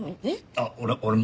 あっ俺も。